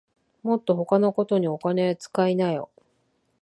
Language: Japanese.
もっと他のことにお金つかいなよ